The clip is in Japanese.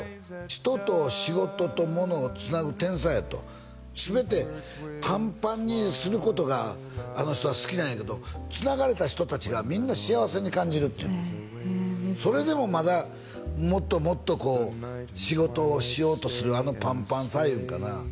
人と仕事とものをつなぐ天才やと全てパンパンにすることがあの人は好きなんやけどつながれた人達がみんな幸せに感じるっていうそれでもまだもっともっとこう仕事をしようとするあのパンパンさいうんかな